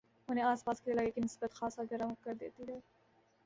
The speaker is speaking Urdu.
انہیں آس پاس کے علاقے کی نسبت خاصا گرم کردیتی ہے